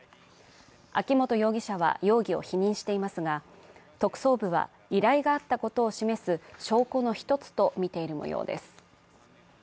秋本容疑者は容疑を否認していますが、特捜部は依頼があったことを示す証拠の１つとみているもようです。